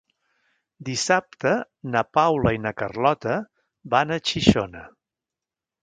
Dissabte na Paula i na Carlota van a Xixona.